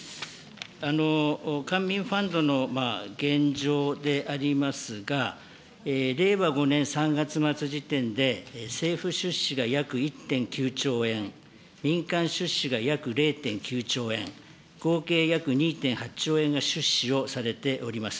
官民ファンドの現状でありますが、令和５年３月末時点で、政府出資が約１．９兆円、民間出資が約０．９兆円、合計約２．８兆円が出資をされております。